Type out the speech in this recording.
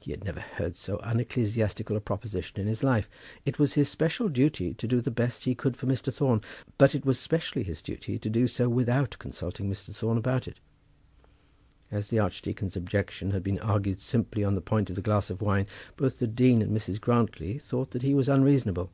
He had never heard so unecclesiastical a proposition in his life. It was his special duty to do the best he could for Mr. Thorne, but it was specially his duty to do so without consulting Mr. Thorne about it. As the archdeacon's objection had been argued simply on the point of the glass of wine, both the dean and Mrs. Grantly thought that he was unreasonable.